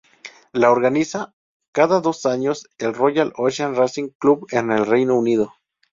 La organiza cada dos años el Royal Ocean Racing Club en el Reino Unido.